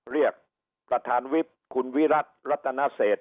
เรียกประธานวิบคุณวิรัติรัตนเศษ